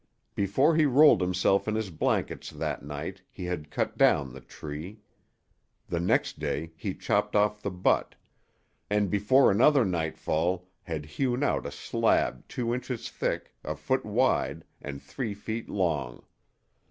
Before he rolled himself in his blankets that night he had cut down the tree. The next day he chopped off the butt, and before another nightfall had hewn out a slab two inches thick, a foot wide, and three feet long.